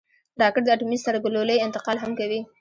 راکټ د اټومي سرګلولې انتقال هم کوي